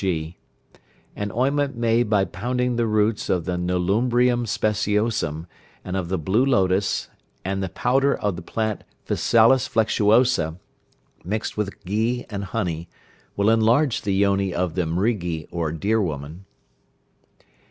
(g). An ointment made by pounding the roots of the nelumbrium speciosum, and of the blue lotus, and the powder of the plant physalis flexuosa mixed with ghee and honey, will enlarge the yoni of the Mrigi or deer woman.